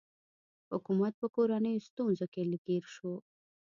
حکومت په کورنیو ستونزو کې ګیر شو.